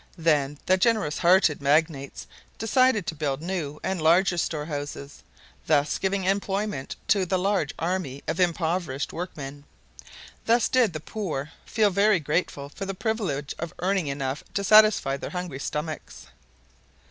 Then the generous hearted magnates decided to build new and larger storehouses, thus giving employment to the large army of impoverished workmen. Thus did the poor feel very grateful for the privilege of earning enough to satisfy their hungry stomachs.